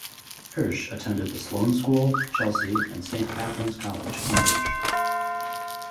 Hirsch attended the Sloane School, Chelsea and Saint Catharine's College, Cambridge.